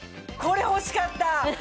これ欲しかった。